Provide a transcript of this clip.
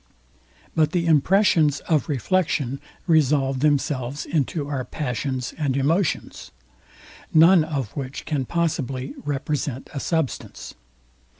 But the impressions of reflection resolve themselves into our passions and emotions: none of which can possibly represent a substance.